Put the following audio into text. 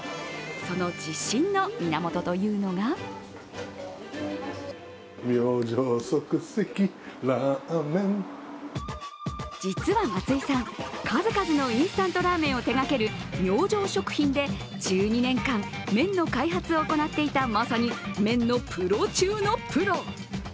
その自信の源というのが実は松井さん、数々のインスタントラーメンを手がける明星食品で１２年間、麺の開発を行っていたまさに麺のプロ中のプロ。